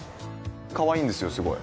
かわいいんですよすごい。